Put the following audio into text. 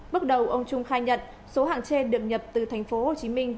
bước đầu ông trung khai nhận số hàng trên đượm nhập từ thành phố hồ chí minh